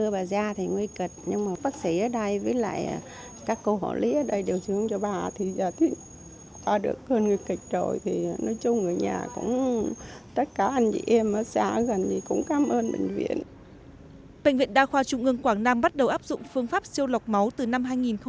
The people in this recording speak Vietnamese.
bệnh viện đa khoa trung ương quảng nam bắt đầu áp dụng phương pháp siêu lọc máu từ năm hai nghìn một mươi sáu